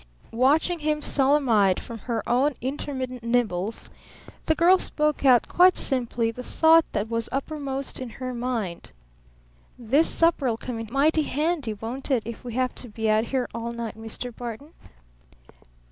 Watching him solemn eyed above her own intermittent nibbles, the girl spoke out quite simply the thought that was uppermost in her mind. "This supper'll come in mighty handy, won't it, if we have to be out here all night, Mr. Barton?"